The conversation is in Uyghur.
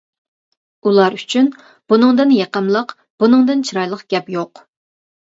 ئۇلار ئۈچۈن بۇنىڭدىن يېقىملىق، بۇنىڭدىن چىرايلىق گەپ يوق.